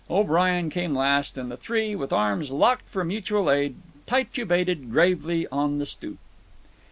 O'Brien came last, and the three, with arms locked for mutual aid, titubated gravely on the stoop.